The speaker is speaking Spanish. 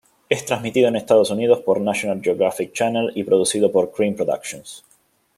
Es transmitido en Estados Unidos por National Geographic Channel y producido por Cream Productions.